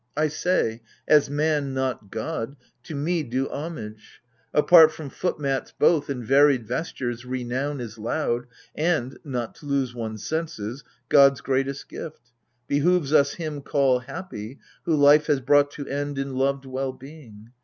I say — as man, not god, to me do homage ! Apart from foot mats both and varied vestures, Renown is loud, and — not to lose one's senses, God's greatest gift. Behoves us him call happy Who life has brought to end in loved well being.